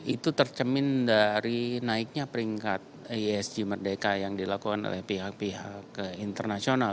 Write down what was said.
itu tercemin dari naiknya peringkat isg merdeka yang dilakukan oleh pihak pihak internasional